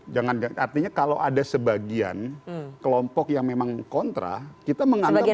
jangan artinya kalau ada sebagian kelompok yang memang kontra kita menganggap